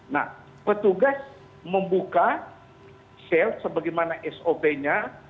nah petugas membuka self sebagaimana sop nya